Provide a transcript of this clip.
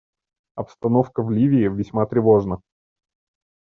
Обстановка в Ливии весьма тревожна.